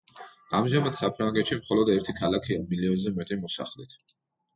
ამჟამად საფრანგეთში მხოლოდ ერთი ქალაქია მილიონზე მეტი მოსახლით.